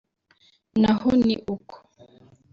naho ni uko